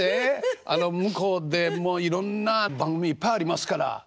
あの向こうでもういろんな番組いっぱいありますから。